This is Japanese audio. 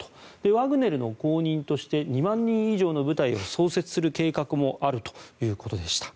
ワグネルの後任として２万人以上の部隊を創設する計画もあるということでした。